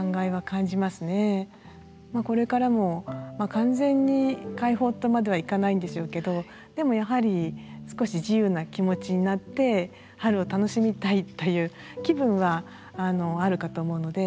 これからも完全に解放とまではいかないんでしょうけどでもやはり少し自由な気持ちになって春を楽しみたいという気分はあるかと思うので。